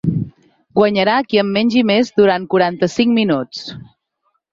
Guanyarà qui en mengi més durant quaranta-cinc minuts.